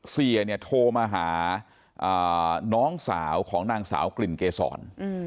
เสียเนี่ยโทรมาหาน้องสาวของนางสาวกลิ่นเกษร